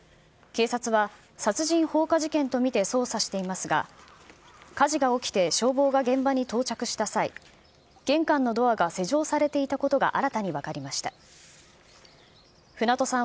警察は殺人放火事件と見て捜査していますが、火事が起きて消防が現場に到着した際、玄関のドアが施錠されていたことが、新たに分かりました。